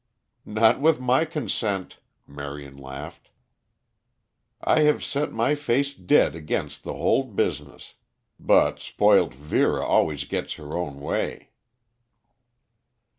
"Not with my consent," Marion laughed. "I have set my face dead against the whole business. But spoilt Vera always gets her own way."